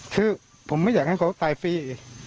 คือผมไม่อยากให้เขาตายฟรี